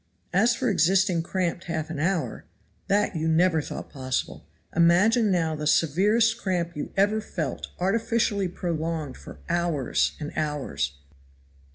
As for existing cramped half an hour, that you never thought possible. Imagine now the severest cramp you ever felt artificially prolonged for hours and hours.